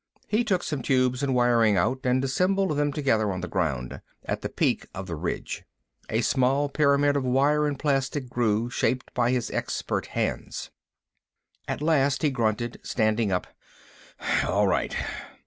He took some tubes and wiring out and assembled them together on the ground, at the peak of the ridge. A small pyramid of wire and plastic grew, shaped by his expert hands. At last he grunted, standing up. "All right."